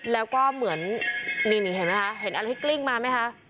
แล้วก็เหมือนนี่เห็นไหมคะเห็นอะไรที่กลิ้งมาไหมคะ